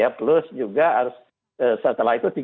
plus juga setelah itu